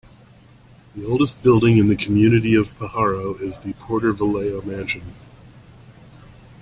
The oldest building in the community of Pajaro is the Porter-Vallejo Mansion.